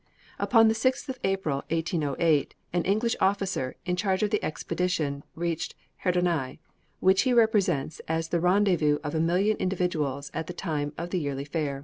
Upon the 6th of April, 1808, an English officer, in charge of the expedition, reached Herdonai, which he represents as the rendezvous of a million individuals at the time of the yearly fair.